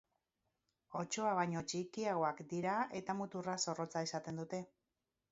Otsoa baino txikiagoak dira eta muturra zorrotza izaten dute.